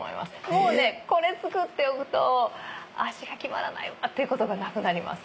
もうねこれ作っておくと味が決まらないわっていうことがなくなります。